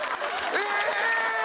え！